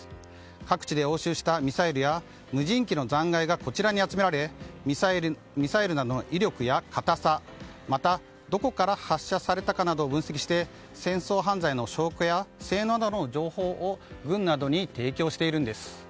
各地で押収したミサイルや無人機の残骸がこちらに集められミサイルなどの威力や硬さまたどこから発射されたかなどを分析して戦争犯罪の証拠や性能などの情報を軍などに提供しているんです。